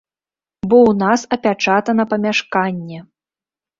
Бо ў нас апячатана памяшканне.